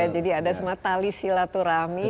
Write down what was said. jadi ada semua tali silaturahmi